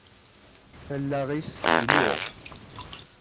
Allaɣ-is iluɣ.